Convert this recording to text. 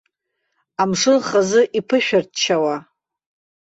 Амшын хазы иԥышәырччуа.